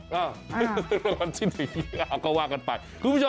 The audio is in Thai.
กลุ่มวันที่๑ก็ว่ากันไป